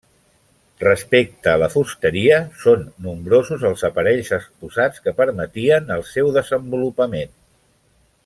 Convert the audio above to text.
Respecte a la fusteria, són nombrosos els aparells exposats que permetien el seu desenvolupament.